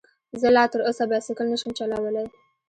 زه لا تر اوسه بايسکل نشم چلولی